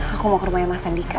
aku mau ke rumah yang mas andika